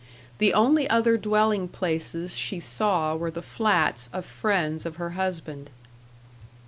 The only other dwelling places she saw were the flats of friends of her husband.